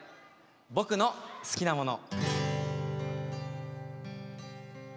「僕の好きなもの」。